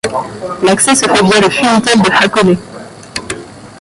L'accès se fait via le funitel de Hakone.